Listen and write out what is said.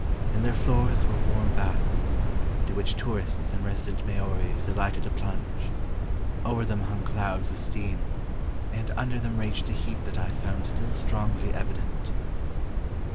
In their floors were warm baths, into which tourists and resident Maoris delighted to plunge; over them hung clouds of steam, and under them raged a heat that I found still strongly evident."